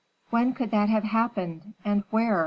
"When could that have happened, and where?"